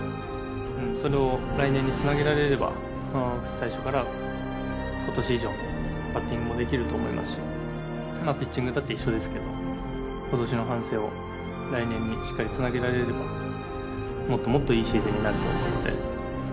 それを来年につなげられれば最初から今年以上のバッティングもできると思いますしピッチングだって一緒ですけど今年の反省を来年にしっかりつなげられればもっともっといいシーズンになると思うので。